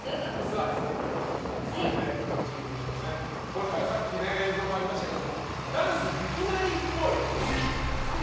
続いてさっき映像もありましたけどダンスできないっぽい。